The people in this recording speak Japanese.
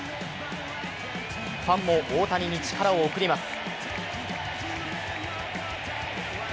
ファンも大谷に力を送ります。